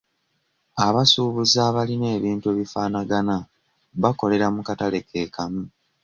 Abasuubuzi abalina ebintu ebifaanagana bakolera mu katale ke kamu.